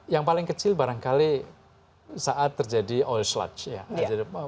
yang paling kecil barangkali saat terjadi oil sludge ya